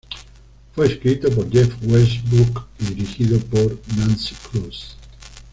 Fue escrito por Jeff Westbrook y dirigido por Nancy Kruse.